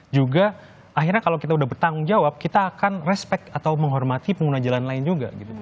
juga akhirnya kalau kita udah bertanggung jawab kita akan respect atau menghormati pengguna jalan lain juga